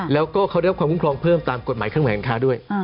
แล้วก็เขาได้รับความคุ้มครองเพิ่มตามกฎหมายเครื่องหมายการค้าด้วย